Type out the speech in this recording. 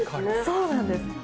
そうなんです。